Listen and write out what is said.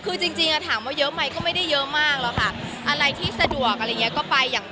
คือจริงถามว่าเยอะมั้ยก็ไม่ได้เยอะมั่กหรอกค่ะอะไรที่สะดวกอะไรอย่างนี้ก็ไป